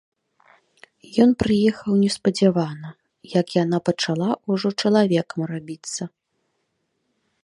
Ён прыехаў неспадзявана, як яна пачала ўжо чалавекам рабіцца.